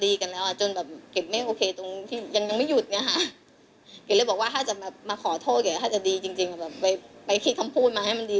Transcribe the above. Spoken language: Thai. แต่ขอให้มันเข้าหูเกอบมากกว่านี้